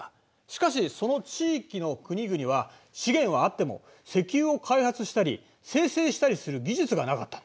しかしその地域の国々は資源はあっても石油を開発したり精製したりする技術がなかったんだ。